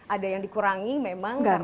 ada yang dikurangi memang